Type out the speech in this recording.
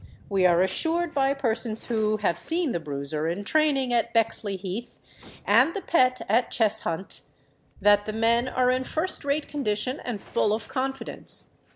We are assured by persons who have seen the Bruiser in training at Bexley Heath, and the Pet at Cheshunt, that the men are in first rate condition, and full of confidence.